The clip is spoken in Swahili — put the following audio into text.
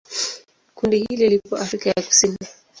Kundi hili lipo Afrika ya Kusini.